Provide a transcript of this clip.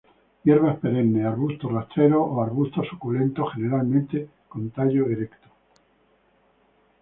Hierbas perennes, arbustos rastreros o arbustos, suculentos, generalmente con tallo erecto.